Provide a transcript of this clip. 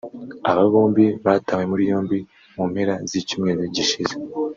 Aba bombi batawe muri yombi mu mpera z’icyumweru gishize